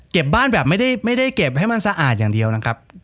บ้านแบบไม่ได้เก็บให้มันสะอาดอย่างเดียวนะครับ